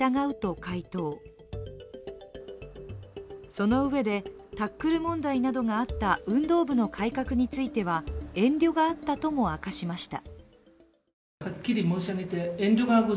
そのうえで、タックル問題などがあった運動部の改革には遠慮があったとも明かしました。